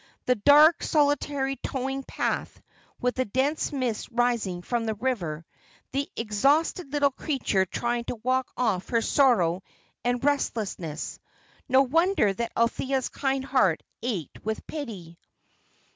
The dark, solitary towing path, with the dense mist rising from the river; the exhausted little creature trying to walk off her sorrow and restlessness. No wonder that Althea's kind heart ached with pity.